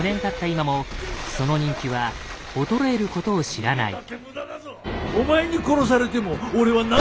今もその人気は衰えることを知らない。